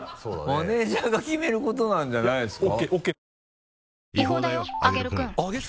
マネジャーが決めることなんじゃないですか？